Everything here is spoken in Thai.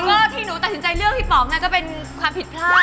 ที่หนูตัดสินใจเลือกพี่ป๋องก็เป็นความผิดพลาด